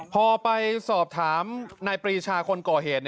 พอไปสอบถามนายปรีชาคนก่อเหตุ